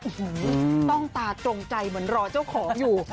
โอ้โหต้องตาตรงใจเหมือนรอเจ้าของอยู่